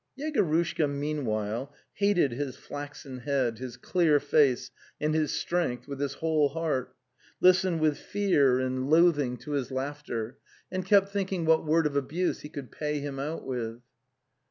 ... Yegorushka mean while hated his flaxen head, his clear face, and his strength with his whole heart, listened with fear and 226 The Tales of Chekhov loathing to his laughter, and kept thinking what word of abuse he could pay him out with.